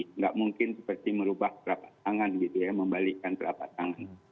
tidak mungkin seperti merubah telapak tangan gitu ya membalikkan telapak tangan